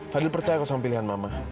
fadil percaya sama pilihan mama